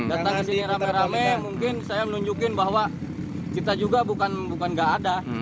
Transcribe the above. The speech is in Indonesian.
datang ke sini rame rame mungkin saya menunjukin bahwa kita juga bukan gak ada